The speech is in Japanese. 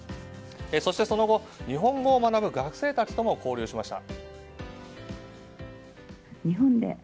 そして、その後、日本語を学ぶ学生たちとも交流しました。